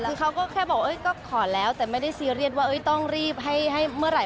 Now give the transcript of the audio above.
คือเขาก็แค่บอกก็ขอแล้วแต่ไม่ได้ซีเรียสว่าต้องรีบให้เมื่อไหร่